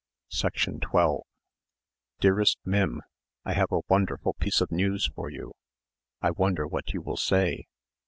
12 "Dearest Mim. I have a wonderful piece of news for you. I wonder what you will say?